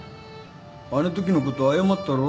あの時の事謝ったろ？